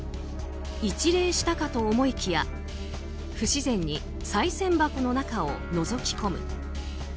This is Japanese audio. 一礼したかと思いきや不自然にさい銭箱の中をのぞき込む。